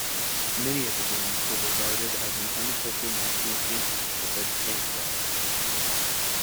Many of the games were regarded as an unofficial national championship of Canada.